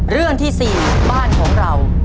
เรื่องที่๔บ้านของเรา